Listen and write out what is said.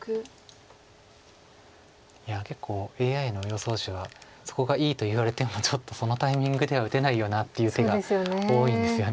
いや結構ＡＩの予想手がそこがいいと言われてもちょっとそのタイミングでは打てないよなっていう手が多いんですよね。